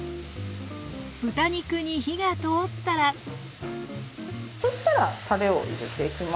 豚肉に火が通ったらそしたらたれを入れていきます。